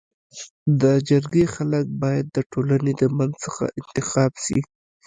د جرګي خلک بايد د ټولني د منځ څخه انتخاب سي.